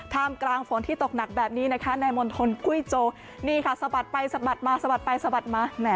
กลางฝนที่ตกหนักแบบนี้นะคะในมณฑลกุ้ยโจนี่ค่ะสะบัดไปสะบัดมาสะบัดไปสะบัดมา